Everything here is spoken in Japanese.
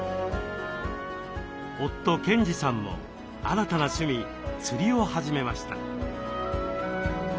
夫・賢治さんも新たな趣味釣りを始めました。